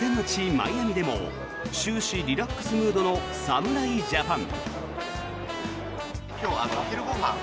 マイアミでも終始リラックスムードの侍ジャパン。